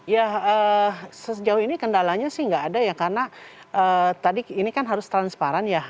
ya sejauh ini kendalanya sih nggak ada ya karena tadi ini kan harus transparan ya